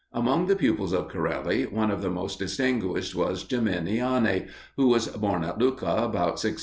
Among the pupils of Corelli, one of the most distinguished was Geminiani, who was born at Lucca, about 1680.